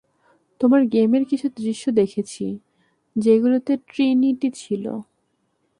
তোমার গেমের কিছু দৃশ্য দেখেছি, যেগুলোতে ট্রিনিটি ছিল।